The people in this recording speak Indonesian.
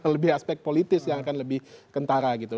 lebih aspek politis yang akan lebih kentara gitu